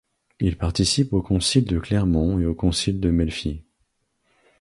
Il participe au concile de Clermont et au concile de Melfi.